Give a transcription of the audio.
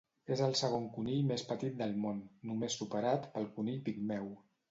És el segon conill més petit del món, només superat pel conill pigmeu.